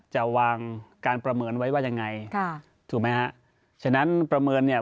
จะวางการประเมินไว้ว่ายังไงค่ะถูกไหมฮะฉะนั้นประเมินเนี่ย